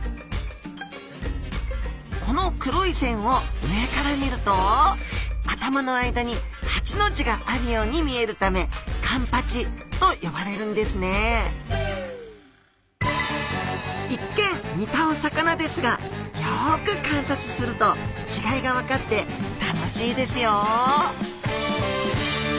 この黒い線を上から見ると頭の間に八の字があるように見えるためカンパチと呼ばれるんですね一見似たお魚ですがよく観察すると違いが分かって楽しいですよ！